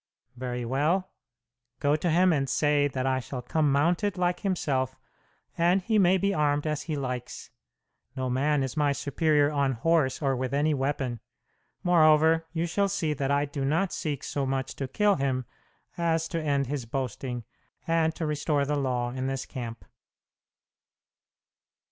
"Very well. Go to him and say that I shall come mounted, like himself, and he may be armed as he likes. No man is my superior on horse or with any weapon. Moreover, you shall see that I do not seek so much to kill him as to end his boasting, and to restore the law in this camp."